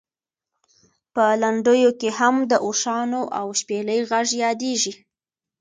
په لنډیو کې هم د اوښانو او شپېلۍ غږ یادېږي.